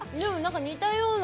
似たような。